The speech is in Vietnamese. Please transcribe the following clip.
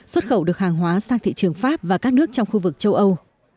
xuất khẩu được hàng hóa sang thị trường pháp và các nước trong khu vực châu âu